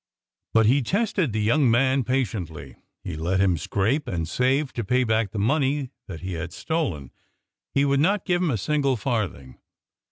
But he tested the young man patiently. He let him scrape and save to pay back the money that he had stolen; he would not give him a single farthing.